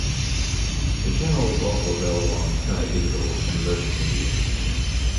The channel was also available on Sky Digital and Virgin Media.